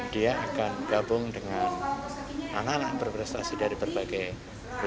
dia akan gabung dengan anak anak berprestasi dari berbagai negara